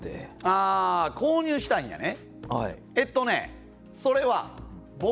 あー、購入したいんやね。